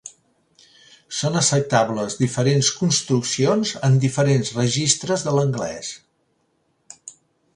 Són acceptables diferents construccions en diferents registres de l'anglès.